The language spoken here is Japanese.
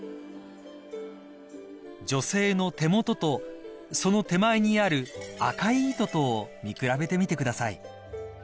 ［女性の手元とその手前にある赤い糸とを見比べてみてください］